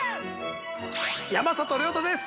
山里亮太です。